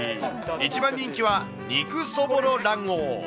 一番人気は、肉そぼろ卵黄。